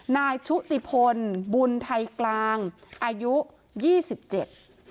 ชุติพลบุญไทยกลางอายุยี่สิบเจ็ด